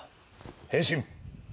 変身！